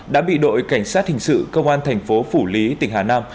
đã bị đội cảnh sát hình sự công an thành phố phủ lý tỉnh hà nam